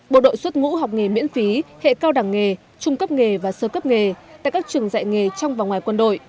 bộ đội xuất ngũ học nghề miễn phí hệ cao đẳng nghề trung cấp nghề và sơ cấp nghề tại các trường dạy nghề trong và ngoài quân đội